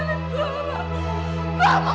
noni kenapa lagi pak